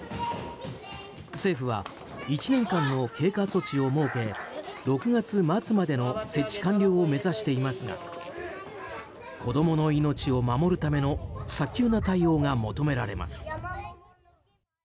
政府は１年間の経過措置を設け６月末までの設置完了を目指していますが子供の命を守るための早急な対応が求められます。